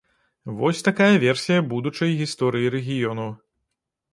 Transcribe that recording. Вось такая версія будучай гісторыі рэгіёну.